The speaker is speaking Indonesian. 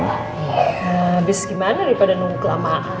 ya abis gimana daripada nunggu kelamaan